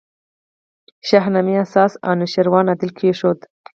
شاهنامې اساس انوشېروان عادل کښېښود.